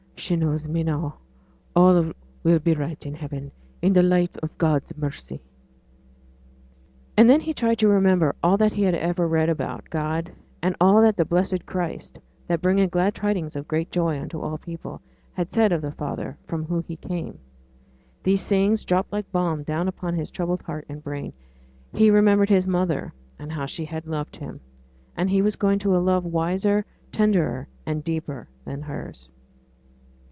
'She knows me now. All will be right in heaven in the light of God's mercy.' And then he tried to remember all that he had ever read about, God, and all that the blessed Christ that bringeth glad tidings of great joy unto all people, had said of the Father, from whom He came. Those sayings dropped like balm down upon his troubled heart and brain. He remembered his mother, and how she had loved him; and he was going to a love wiser, tenderer, deeper than hers.